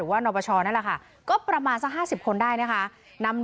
คุณสุลินบอกว่ามีความผูกพันกับคุณนักศิลป์ทำให้ดีใจมาก